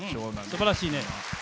すばらしいね。